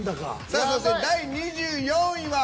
さあそして第２４位は。